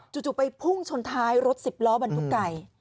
จู่ไปพุ่งชนท้ายรถสิบล้อบรรทุกไก่